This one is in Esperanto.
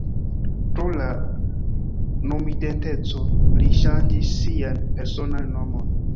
Pro la nomidenteco li ŝanĝis sian personan nomon.